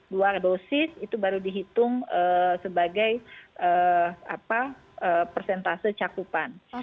dua dosis itu baru dihitung sebagai persentase cakupan